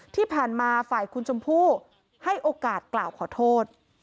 ที่ผ่านมาฝ่ายคุณชมพู่ให้โอกาสกล่าวขอโทษ